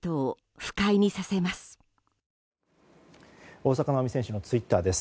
大坂なおみ選手のツイッターです。